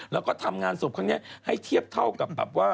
แล้วก็ทำงานศพครั้งนี้ให้เทียบเท่ากับแบบว่า